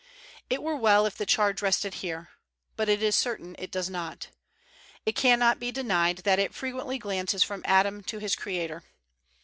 It were well if the charge rested here: but it is certain it does not. It can not be denied that it frequently glances from Adam to his Creator.